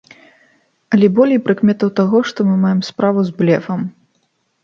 Але болей прыкметаў таго, што мы маем справу з блефам.